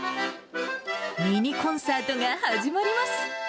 ミニコンサートが始まります。